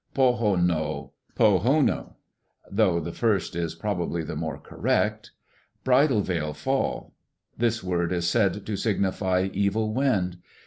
"Po' ho no, Po ho' no (though the first is probably the more correct), Bridal Veil Fall.... This word is said to signify 'evil wind.'